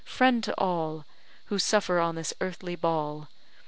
friend to all Who suffer on this earthly ball!